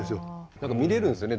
何か見れるんですよね